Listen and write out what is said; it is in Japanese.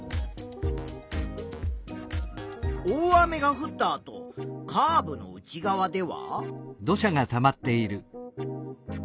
大雨がふったあとカーブの内側では？